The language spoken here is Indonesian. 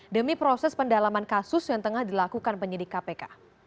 demi proses pendalaman kasus yang tengah dilakukan penyidik kpk